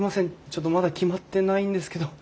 ちょっとまだ決まってないんですけど。